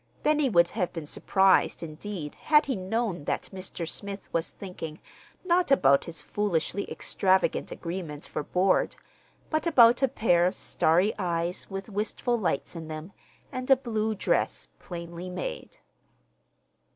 Benny would have been surprised, indeed, had he known that Mr. Smith was thinking, not about his foolishly extravagant agreement for board, but about a pair of starry eyes with wistful lights in them, and a blue dress, plainly made.